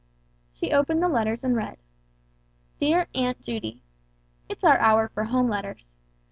She opened the letters and read "DEAR AUNT JUDY: "It's our hour for home letters.